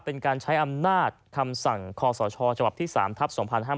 เป็นการใช้อำนาจคำสั่งคศฉบับที่๓ทัพ๒๕๕๙